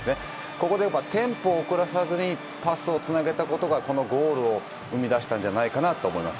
ここでテンポを遅らさずにパスをつなげたことがこのゴールを生み出したんじゃないかと思います。